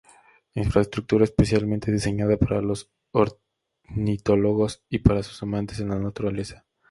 Infraestructura especialmente diseñada para los ornitólogos y para los amantes de la naturaleza.